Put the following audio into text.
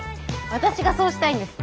私がそうしたいんです。